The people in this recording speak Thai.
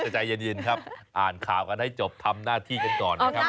ใจเย็นครับอ่านข่าวกันให้จบทำหน้าที่กันก่อนนะครับ